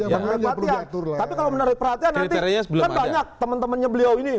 tapi kalau menarik perhatian nanti kan banyak teman temannya beliau ini